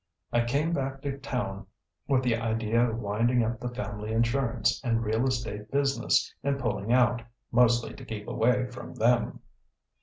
I came back to town with the idea of winding up the family insurance and real estate business and pulling out, mostly to keep away from them.